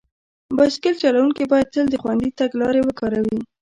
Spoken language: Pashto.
بایسکل چلونکي باید تل د خوندي تګ لارې وکاروي.